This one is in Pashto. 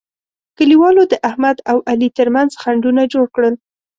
کلیوالو د احمد او علي ترمنځ خنډونه جوړ کړل.